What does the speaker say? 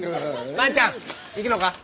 万ちゃん行くのか？